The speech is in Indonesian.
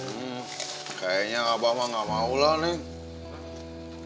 hmm kayaknya abang mah nggak mau lah neng